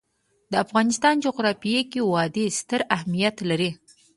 د افغانستان جغرافیه کې وادي ستر اهمیت لري.